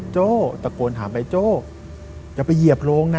โจ้ตะโกนถามใบโจ้อย่าไปเหยียบโรงนะ